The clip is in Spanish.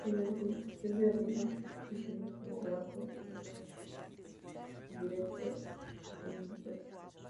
En la definición de arriba se entiende como grafo un grafo simple indirecto finito.